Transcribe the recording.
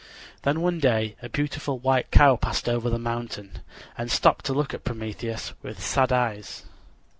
Then one day a beautiful white cow passed over the mountain, and stopped to look at Prometheus with sad eyes.